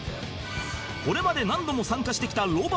これまで何度も参加してきたロバート